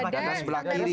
dadah sebelah kiri